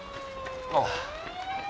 ああ。